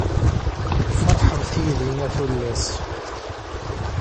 Ferḥemt yid-i a tullas.